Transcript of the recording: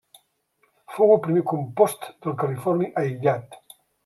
Fou el primer compost del californi aïllat.